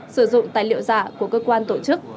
sử dụng tài liệu giả của cơ quan tổ chức